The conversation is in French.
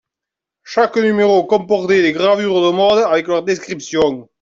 Chaque numéro comportait des gravures de mode, avec leur description.